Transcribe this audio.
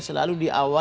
seorang yang beriman